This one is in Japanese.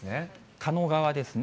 狩野川ですね。